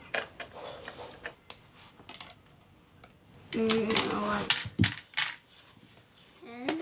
うん。